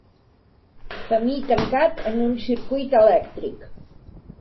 Camí tancat en un circuit elèctric.